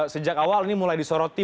sejak awal ini mulai disoroti